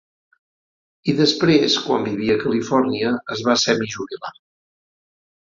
i després, quan vivia a Califòrnia, es va semijubilar.